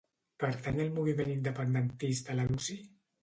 Pertany al moviment independentista la Lucy?